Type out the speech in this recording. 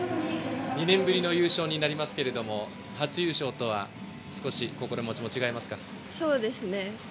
２年ぶりの優勝になりますが初優勝とは少し心持ちも違いますか。